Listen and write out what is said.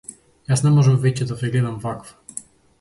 Јас не можам веќе да ве гледам ваква.